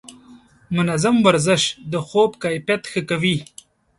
منظم ورزش د خوب کیفیت ښه کوي.